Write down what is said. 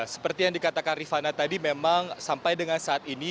seperti yang dikatakan rifana tadi memang sampai dengan saat ini